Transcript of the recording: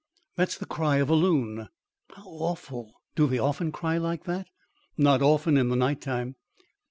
"That's the cry of a loon." "How awful! Do they often cry like that?" "Not often in the nighttime."